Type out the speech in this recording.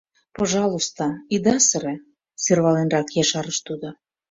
Пожалуйста, ида сыре, — сӧрваленрак ешарыш тудо.